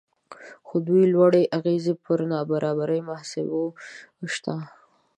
خو د دوی لوړې اغیزې پر نابرابرۍ محاسبو شته